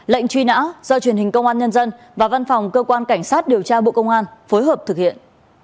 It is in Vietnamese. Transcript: lệnh truy nã do truyền hình công an nhân dân và văn phòng cơ quan cảnh sát điều tra bộ công an phối hợp thực hiện